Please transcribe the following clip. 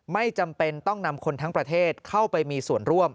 ไม่จำเป็นต้องนำคนทั้งประเทศเข้าไปมีส่วนร่วม